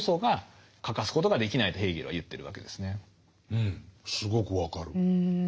うんすごく分かる。